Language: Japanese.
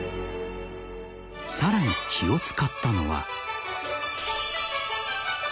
［さらに気を使ったのは］